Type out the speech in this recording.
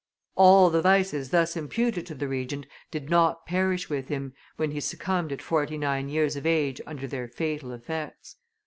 All the vices thus imputed to the Regent did not perish with him, when he succumbed at forty nine years of age under their fatal effects.